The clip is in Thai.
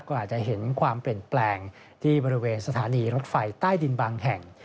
ก็อาจจะเห็นความเปลี่ยนแปลงที่บริเวณสถานีรถไฟใต้ดินบางแห่ง